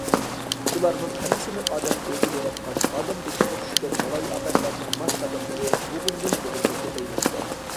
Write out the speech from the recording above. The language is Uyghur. شۇلارنىڭ ھەممىسىنى ئادەم ئۆزى ياراتقان ئادەم بېشىغا چۈشكەن بالايىئاپەتلەرنىڭ ماس قەدەملىرى بوغۇندىن بوغۇنغا كۆپەيمەكتە.